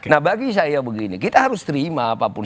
nah bagi saya begini kita harus terima apapun